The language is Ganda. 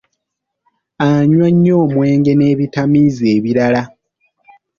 Anywa nnyo omwenge n'ebitamiiza ebirala.